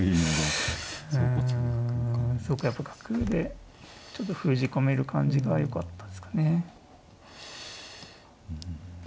うんそうかやっぱ角でちょっと封じ込める感じがよかったですかね。